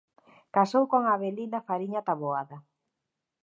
Casou con Avelina Fariña Taboada.